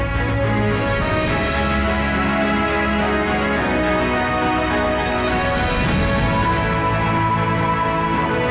hanuman distribusional kewaskan lugini